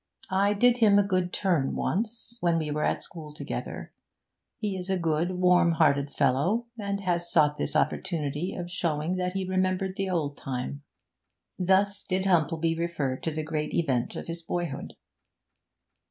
'I did him a good turn once, when we were at school together. He is a good, warm hearted fellow, and has sought this opportunity of showing that he remembered the old time.' Thus did Humplebee refer to the great event of his boyhood.